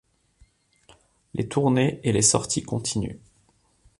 Les tournées et les sorties continuent.